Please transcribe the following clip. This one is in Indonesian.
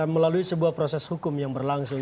melalui sebuah proses hukum yang berlangsung